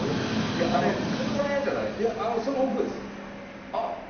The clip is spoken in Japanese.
いやその奥です。